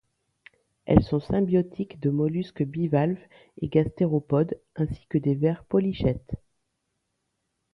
Elles sont symbiotique de Mollusques bivalves et gastéropodes ainsi que des vers polychètes.